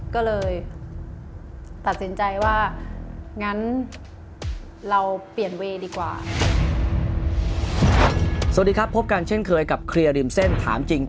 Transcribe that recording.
ก็เลยตัดสินใจว่า